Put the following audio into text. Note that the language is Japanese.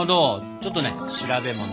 ちょっとね調べもの。